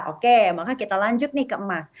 oke maka kita lanjut nih ke emas